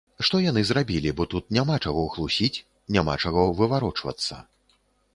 Што яны зрабілі, бо тут няма чаго хлусіць, няма чаго выварочвацца.